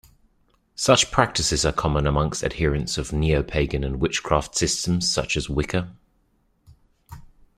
Such practices are common amongst adherents of neopagan and witchcraft systems such as Wicca.